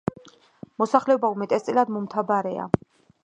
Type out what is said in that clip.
მოსახლეობა უმეტესწილად მომთაბარეა.